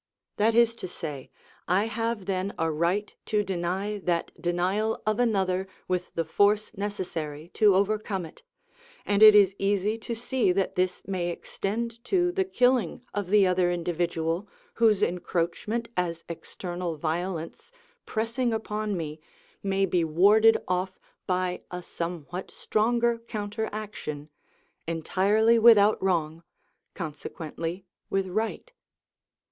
That is to say: I have then a right to deny that denial of another with the force necessary to overcome it, and it is easy to see that this may extend to the killing of the other individual, whose encroachment as external violence pressing upon me may be warded off by a somewhat stronger counteraction, entirely without wrong, consequently with right.